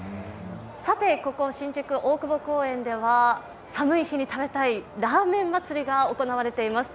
さて、ここ新宿・大久保公園では寒い日に食べたいラーメン祭りが行われています。